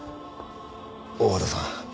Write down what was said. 大和田さん